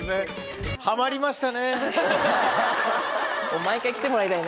毎回来てもらいたいね。